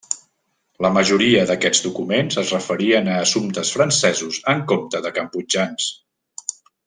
La majoria d'aquests documents es referien a assumptes francesos en compte de cambodjans.